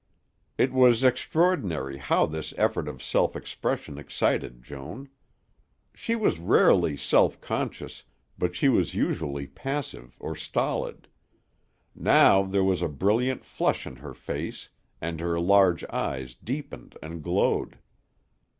It was extraordinary how this effort at self expression excited Joan. She was rarely self conscious, but she was usually passive or stolid; now there was a brilliant flush in her face and her large eyes deepened and glowed.